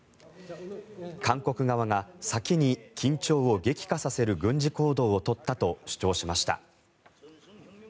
韓国側が先に緊張を激化させる軍事行動を取ったと主張しました。